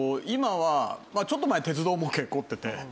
今はちょっと前鉄道模型に凝ってて。